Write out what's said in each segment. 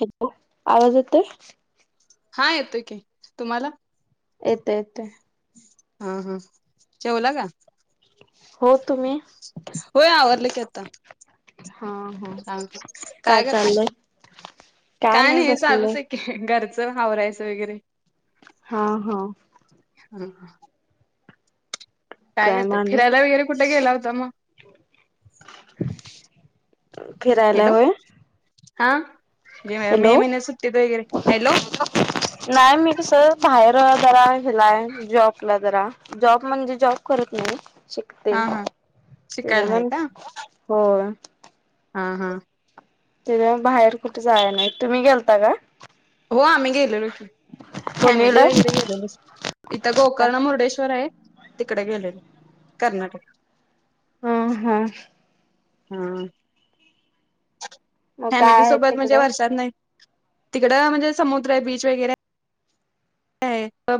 Hello आवाज येतोय हा येतोय की तुम्हाला येतंय येतंय हा हा जेवला का. हो तुम्ही? होय आवरडलं की आता हा हा काय चाललंय का नाही बसले हावरायचं वगैरे हा हा हा हा. काय म करते आणि फिरायला वगैरे कुठे गेला होता मग फिरायला हॅलो होय हा जे हॅलो मे महिन्या सुट्टीेत वगैरे हॅलो नाही मी कसं बाहेर जरा हलाय जॉबला जरा जॉब म्हणजे जॉब करत नाही शिकते हा हा त्याच्या शिकायला आहे मण का हो हा हा तिथ बाहेर कुठे जाय नाही तुम्ही गेलता का हो आम्ही गेलो फॅमिली वगैरे कोणीकडं? गेलो इथं गोकर्ण मुर्डेश्वर आहे तिकडे गेलेले कर्नाटक हा हा हम मग काय फॅमिली आहे सोबत म्हणजे तिकडे? वर्षात नाही तिकड म्हणजे समुद्र आहे बीच वगैरे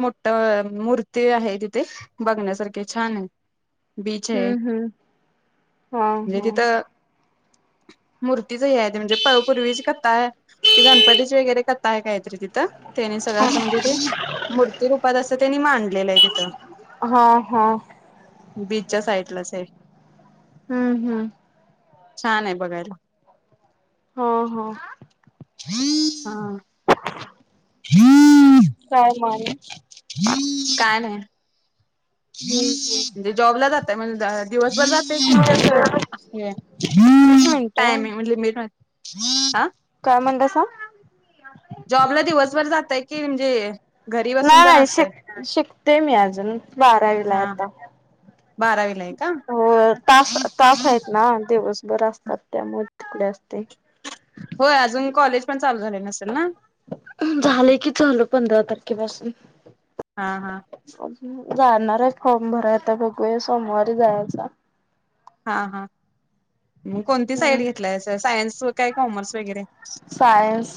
मोठ मूर्ती आहे तिथे बघण्यासारखे छान आहे बीच आहे हम्म हम्म. हा म्हणजे हा तिथं मूर्तीच ह आहे त म्हणजे पूर्वीची कथा आहे ती गणपतीची वगैरे कथा आहे काहीतरी तिथं त्यानी सगळं असं म्हणजे ते मूर्तीरूपात अस त्यांनी मां आणलेलं आहे तिथं हा हा बीचच्या साईडलाच आहे हम्म हम्म छान आहे बघायला हो हो हा हम् काय मार हम् काय नाही म्हणजे जॉबला जात त्या दिवसभर जात की असे म्हणतो [unintelligible] लिम ह काय म्हणतासा म्हणजे घरी बसून नाही पण नाही असतय शिक शिकते मी अजून बारावीला आहे हा आता बारावीला आहे. का? हो तास तास आहेत ना दिवसभर असतात त्यामुळे तिकडे असते. होय अजून कॉलेज म झालं की झाल पंधरा तारखे पासून हा हा. जाणार आहे फॉर्म भराय बघूया सोमवारी जायाच. हा हा. मग कोणती साईड हम्म घेतलायसा सायन्स काय कॉमर्स वगैरे सायनस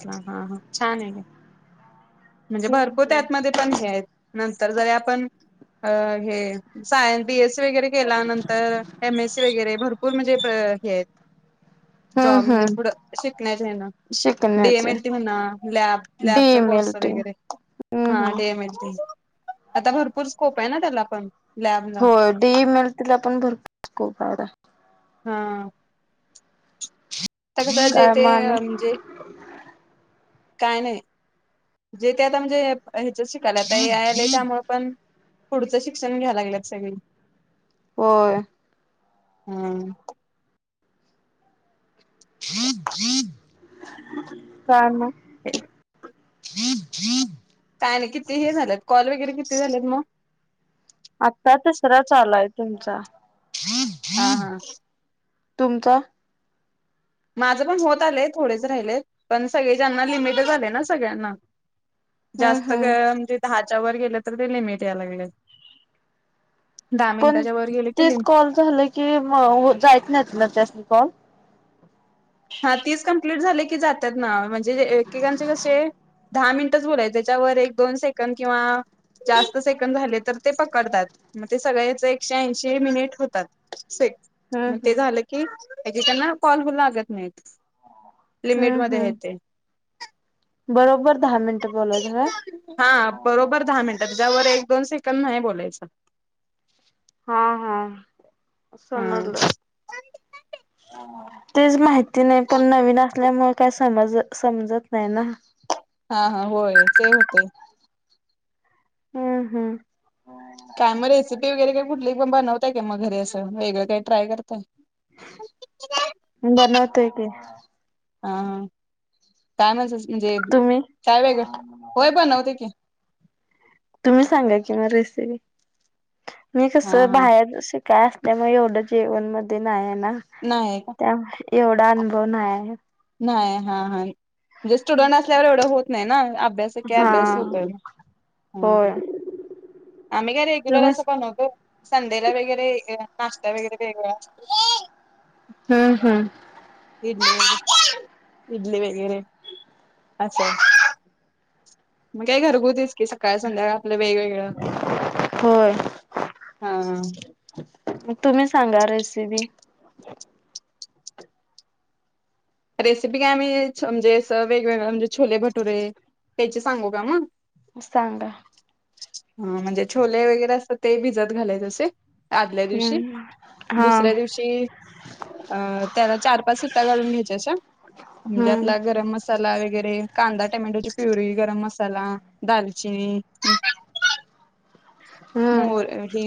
ह हा हा छान आहे. म्हणजे हम्म भरपूर हम्म त्यातमध्ये पण हे आहेत. नंतर जरी आपण हे सायन् बीएससी वग केला नंतर एमएससी वगैरे भरपूर म्हणजे ह हे हम्म जॉब म्हणजे हम्म पुढं शिकण्याच्या ह्यानं शिकण्याचे डीएमएलटी म्हणा लॅब डी लॅबचा एम एल कोर्स टी वगैरे हम्म हा हम्म डीएमएलटी आता भरपूर स्कोप आहे ना त्याला पण लॅबला होय डीएमएल तिला पण भरपूर स्कोप आहे आता हा. आता कसं जे काय ते म आणि म्हणजे काय नाही जे त्या आता म्हणजे ह्याच्या शिकायल्यात आता ए आय आलय त्यामुळ पण पुढचं शिक्षण घ्याय लागलेत सगळी होय. हम्म [inaudible] कारण [inaudible] [inaudible] काय नाही किती हे झालंत कॉल वगैरे किती झालेत मग आत्ता तिसरा चालू हाय तुमचा हा हा. तुमचां? माझं पण होत आलय थोडेच राहिलेत पण सगळे ज्यांना लिमिटेड आलेत ना सगळ्यांना. हम्म जास्त हम्म म्हणजे दहा त्याच्यावर गेल तर बी लिमिट याय लागलय. पण तीस कॉल झालं की जायित नाहीत नव त्यास्नी कॉल? हा तीस कंप्लीट झाल की जात्यात ना, म्हणजे एकेकांचे कसे दहा मिनटच बोलायचे त्याच्यावर एक दोन सेकंड किंवा जास्त सेकंड झाले तर ते पकडतात, मग ते सगळ्याच एकशे ऐंशी मिनिट होतात. से हम्म म ते हम्म झालं की ऐकेकांना कॉल पण लागत नाही. हम्म लिमिटमध्ये हायत हम्म ते. बरोबर दहा मिनट बोलायच काय? हा बरोबर दहा मिनिटात त्याच्यावर एक दोन सेकंद नाही बोलायच. हा हा. हा समजलं. तेच माहिती नाही पण नवीन असल्यामुळे काही समज समजत नाही ना. हा हा होय ते होतय. हम्म हम्म. काय म रेसिपी वगैरे काय कुठली बनवताय काय म घरी असं वेगळं काही ट्राय करताय? बनवतोय की. हा काय म्हणजे तुम्ही काय वेगळं होय बनवतोय की. तुम्ही सांगा कि म रेसिपी. मी कस हा हा बाहेर काय असल्यामुळे एवढं जेवण मध्ये नाही हाय. ना नाही का त्यामुळे एवढा अनुभव नाही आहे. नाही हा हा हा. म्हणजे स्टुडन्ट असल्यावर एवढं होत नाही ना आप भ्यास येके हा अभ्यास होतोय म. होय आम्ही काय रेग्युलर असं तुम्हीच बणवतो संधेला वगैरे नाश्ता वगैरे वेगळा हम्म हम्म इडली इडली वगैर असं मग काय घरगुतीस कि सकाळ संध्याकाळ आपलं वेगवेगळं होय हा तुम्ही सांगा रेसिपी रेसिपी काय मी म्हणजे अस वेगवेगळ म्हणजे छोले भटुरे या्यायचे सांगू का मग सांगा हा म्हणजे छोले वगैरे अस ते भिजत घालायचं असे आदल्या दिवशी हम्म हा दुसऱ्या दिवशी अ त्यान चार पाच सि्ट काढून घ्यायच्या म्हण आप हम्म गरम म व कांदा टमॅटोची प्युरी गरम मसाला दालचिनी हम्म मोर हे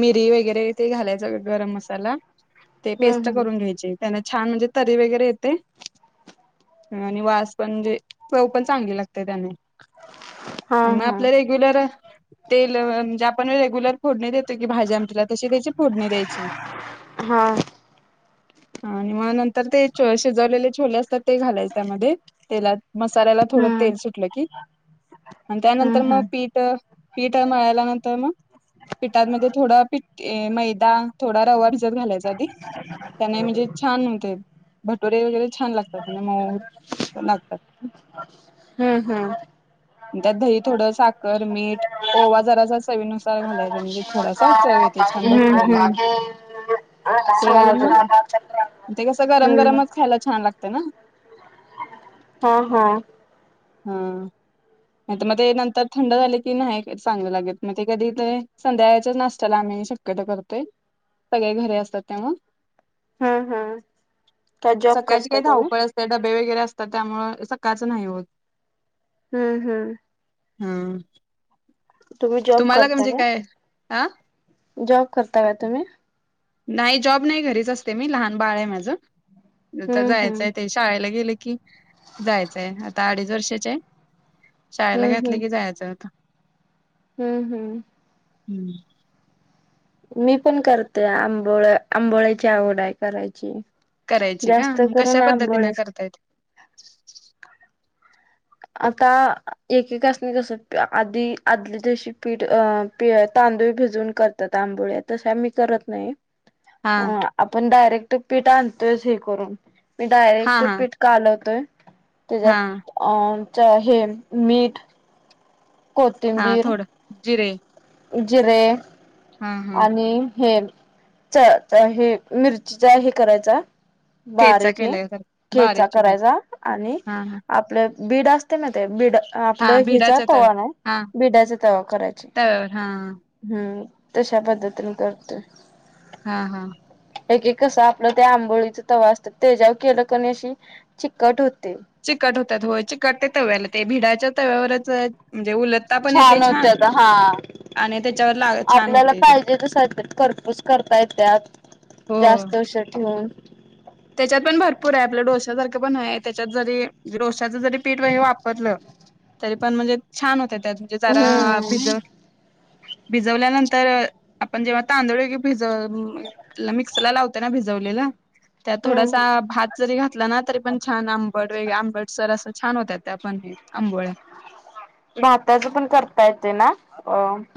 मिरी वगैरे तेे घालायचं गरम मसाला ते पेस्ट हम्म हम्म करून घ्यायचे त्यां छान म्हणजे तरी वगैरे येते आणि वास पणणजे चव पण चांगली लागते त्याने हा आणि मग हा आपल्या रेग्युलर तेल आपण रेगुलर खोड क भाजी आमटला तशी द्यायची फोडणी द्यायची हा आणि म नंतर ते शिजवलेले छोले असतात ते घालायच त्यामध्ये तेलात मसाल्याला थोडं हम्म तेल सुटलं की आणि हम्म त्यानंतर मग हम्म पीठ पीठ मळाल्या नंतर मग पीठातमध्ये थोडा पठ मैदा थोडा रवा भिजत घालायचा त्याने म्हणजे छान होते भटोरे वगैरे छान लागतात आणि म लागतात हम्म हम्म त्यात दही थोडं साखर मीठ ओवा जरा अस [unintelligible] हम्म भटुऱ्याला ते घालून मग हम्म कसं गरम गरमच खायला छान हम्म ते ना हा हा हा नाही तर मग ते नंतर थंड झाले की नाही चांग लागेल मग ते कधी ते संध्याकाळच्याच नाशत्याला आम्ही शक्यता करतोय सगळे घरी असतात त्यामु हम्म हम्म काय जॉब करता तु् वर असतात त्याच नाही होत हम्म हम्म हम तुम्ही जॉब तुम्हालाच करता म्हणजे का? काय आ जॉब करता तुम्ही नाही जॉब नाही घरीच असते मी लहान बाळ आहे माझं नंतर हम्म हम्म. जायचंय ते शाळेला गेली की जायची आता अडीच वर्षाची हाय शाळेला घातली की जायचंय आता ह ह हम्म मी पण करते आंबोळ्या आंबोळ्याची आवड आहे करायची करायची का जास्त कश्या करून पद्धतीने आंबोळेच. करता येतं आता एकेकासनी कस आधी आदल्या दिवशी पीठ तांदूळ भिजून करतात आंबोळ्या तश आम्ही करत नाही हा अ आपण डायरेक्ट पीठ आण तेच हे करून मी हा डायरेक्ट हा पिठ कालवतोय हा तेज्यात आमचं.. हे मीठ हा थोडं जिरे उज्जीरे हा हा आणि हे च च हे मिरचीचा हे करायचा ठेचा बारीक हे केलाय तर खेचा बारीक चिरून करायचा आणि हा हा आपल्या बीड असते ना ते बीड हा आपलं हिचा भिडाच्या तळ तवा नाही हा बिड्याचा तवा करायचा तव्यावर हा हम्म तशा पद्धतीने करतोय हा हा एक एक कस आपलं त्या आंबोळीचा तवा असतात तेच्यावर केलं कणी अशी चिकट होते चिकट होतात हो चिकट ते तव्याला ते भिडाच्या तव्यावरच उलटता पण येते छान होते आता हा आणि त्याच्यावर लाग छान आपल्याला होतय ते पाहिजे तस येत्यात खरपूस करता हो येत्यात जास्त उशेर ठेवून त्याच्यात पण भरपूर आहे आपल्या डोश्यासारखं पण आहे त्याच्यात जरी डोश्याच जरी पीठ जरी वापरलं तरी पण म्हणजे छान होत्यात त्यात म्हणजे जरा हम्म पिझ्झा भिजवल्यानंतर आपण जेव्हा तांदळी ग भिज मिक्सला लावते ना भिजवलेलं त्यात थोडासा हम्म. भात जरी घातला ना तरी पण छान आम बडवेेगळे आंबडसर अस छान होतात ते आपण हे आंबोळ्या भाताच पण करता येते ना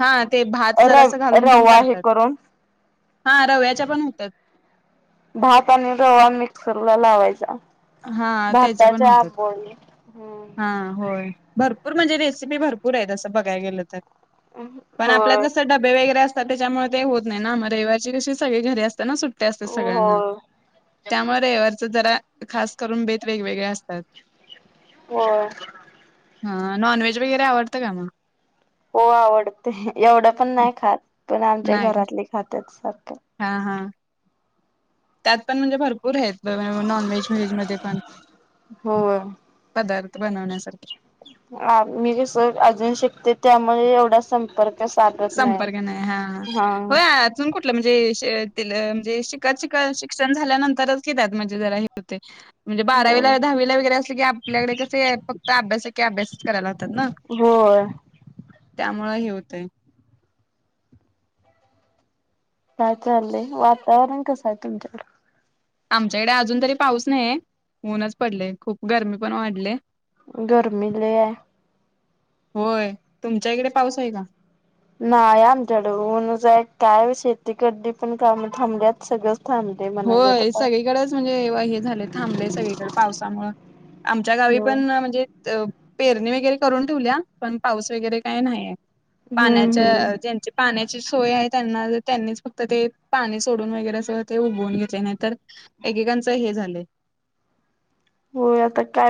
हा ते भात र जरासं घालून पण रवा हे करतात करून हा रव्याच्या पण होतात भात आणि रवा मिक्सर ला लावायचा हा त्याच पण भाताच्या होत आंबोळी हा हम्म होय भरपूर म्हणजे रेसिपी भरपूर आहे तसं बघाय गेलं तर पण आपल्यात होय कस डबे वगैरे असत त्याच्यामुळे ते होत नाही ना रविवारची कशी सगळे घरी असत ना सुट्टे असते सगळ्यांना होय त्यामुळे रेववरच जरा खास करून बेत वेगवेगळे्या असतात हो हा नॉन व्हेज वगैरे आवडतं का मग हो आवडते एवढं पण नाही खात पण आमच्या नाही का? घरातले खातच के हा हा त्यात पण म्हणजे भरपूर पुर आहेत नॉन व्हेज व्हेज मध्ये पण होय पदारथ बनवण्यासारखे ह मी कस अजून शिकते त्यामुळे एवढा संपर्क संपर्क नाही हा हा हो अजून कुठलं म्हणजे त म्हणजे शिकत शिक शिक्षण झाल्यानंतरच घेतात म्हणजे जरा हे होते म्हणजे हो बारावीला दहावीला वगैरे असले कि आपल्याकडे कस फक्त अभ्यास आहे की अभ्यासच करायला होतात ना होय त्यामुळे हे होतंय काय चाललेय वातावरण कसं आहे तुमच्याक आमच्याकडे अजून तरी पाऊस नाहीे ऊनच पडले खूप गरमी पण वाढले गर्मी ल आहे होय तुमच्या इकडे पाऊस आहे का नाहीय आमच्या डूनच आहे काय शेती कदी पण काम थांबल्यात सगळं होय सगळीकडेच म्हणजे हे झाले थांबले सगळीकडे पावसामुं आमच्या गावी हो. पण म्हणजे पेरणी वगैरे करून ठेवल्या पण पाऊस वगैरे काय नाहीय हम्म पाण्याच्या हम्म त्यां्यांचे पाण्या सोय आहे त्यांना त्यांनीच फक्त ते पाणी सोडून वगैरे अस घ नाही एकेकच हे झा हो आता काय